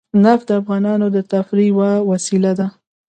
نفت د افغانانو د تفریح یوه وسیله ده.